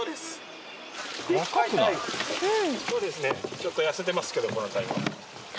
ちょっと痩せてますけどこのタイは。